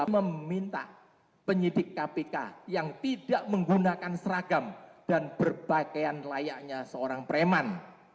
meminta penyidik kpk yang tidak menggunakan seragam dan berpakaian layaknya seorang preman